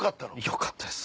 よかったです。